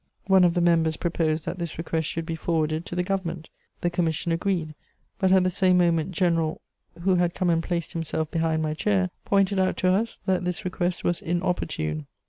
_ One of the members proposed that this request should be forwarded to the Government. The commission agreed; but at the same moment General , who had come and placed himself behind my chair, pointed out to us that this request was 'inopportune.'